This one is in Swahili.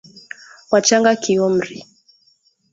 wachanga kiumri